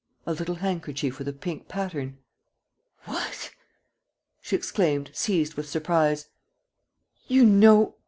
"A little handkerchief with a pink pattern." "What!" she exclaimed, seized with surprise. "You know ..